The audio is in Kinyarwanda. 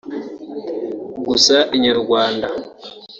gusa Inyarwanda